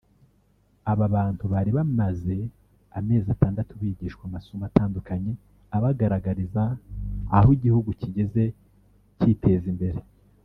Aba bantu bari bamaze amezi atandatu bigishwa amasomo atandukanye abagaragariza aho igihugu cyigeze cyiteza imbere